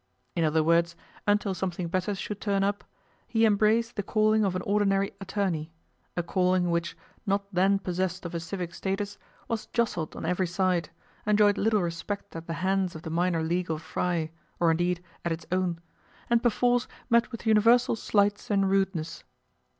In other words, until something better should turn up, he embraced the calling of an ordinary attorney a calling which, not then possessed of a civic status, was jostled on very side, enjoyed little respect at the hands of the minor legal fry (or, indeed, at its own), and perforce met with universal slights and rudeness.